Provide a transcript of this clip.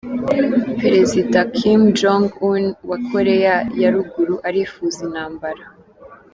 Perezida Kim Jong Un wa Koreya ya Ruguru arifuza intambara.